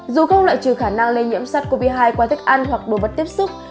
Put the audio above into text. dù không loại trừ khả năng lây nhiễm sars cov hai qua thức ăn hoặc đồ vật tiếp xúc